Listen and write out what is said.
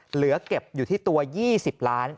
เหลือเก็บอยู่ที่ตัว๒๐ล้าน